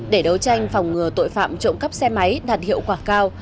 để đấu tranh phòng ngừa tội phạm trộm cắp xe máy đạt hiệu quả cao